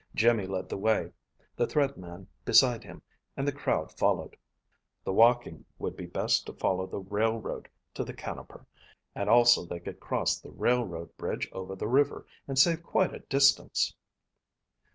Jimmy led the way, the Thread Man beside him, and the crowd followed. The walking would be best to follow the railroad to the Canoper, and also they could cross the railroad bridge over the river and save quite a distance.